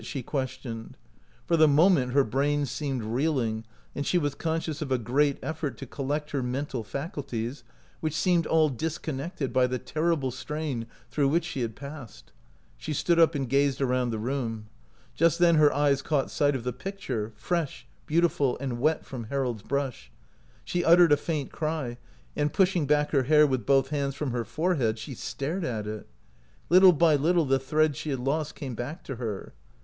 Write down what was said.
she questioned. For the moment her brain seemed reeling, and she was conscious of a great effort to collect her mental faculties, which seemed all discon nected by the terrible strain through which she had passed. She stood up and gazed around the room. Just then her eyes caught sight of the picture, fresh, beautiful, and wet from Harold's brush. She uttered a faint cry, and, pushing back her hair with both hands from her forehead, she stared at it. Little by little the thread she had lost came back to her.